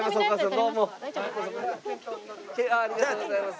ありがとうございます。